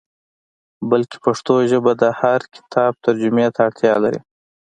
بلکې پښتو ژبه د هر کتاب ترجمې ته اړتیا لري.